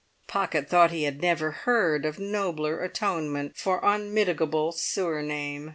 Pocket thought he had never heard of nobler atonement for unmitigable surname.